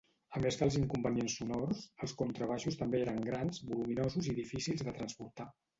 A més dels inconvenients sonors, els contrabaixos també eren grans, voluminosos i difícils de transportar.